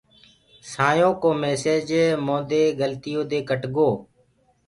سآئينٚ يو ڪو ميسيج موندي گلتيو دي ڪٽ گو۔